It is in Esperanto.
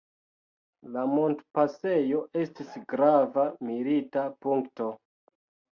La montpasejo estis grava milita punkto.